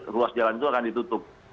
ruas jalan itu akan ditutup